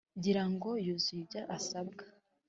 girango yuzuze ibyo asabwa